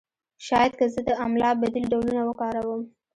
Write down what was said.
شاید که زه د املا بدیل ډولونه وکاروم